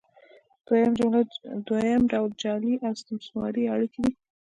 دویم ډول جعلي او استثماري اړیکې دي.